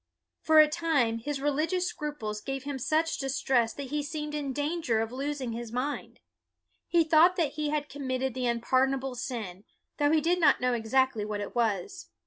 For a time, his religious scruples gave him such distress that he seemed in danger of losing his mind. He thought that he had committed the unpardonable sin, though he did not know exactly what it was.